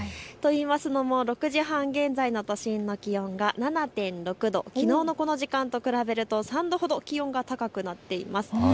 といいますのも６時半現在の都心の気温が７．６度、きのうのこの時間と比べると３度ほど気温が高くなっています。